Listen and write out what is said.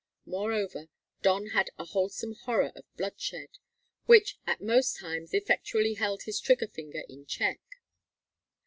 Moreover, Don had a wholesome horror of bloodshed, which at most times effectually held his trigger finger in check.